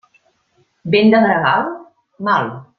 Vent de gregal? Mal!